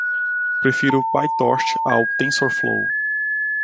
Prefiro o Pytorch ao Tensorflow.